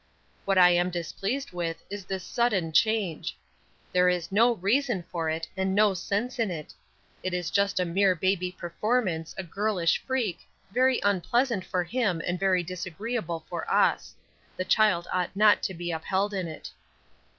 What I am displeased with is this sudden change. There is no reason for it and no sense in it. It is just a mere baby performance, a girlish freak, very unpleasant for him and very disagreeable for us. The child ought not to be upheld in it."